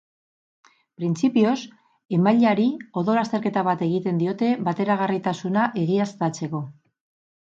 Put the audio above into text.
Printzipioz, emaileari odol azterketa bat egiten diote bateragarritasuna egiaztatzeko.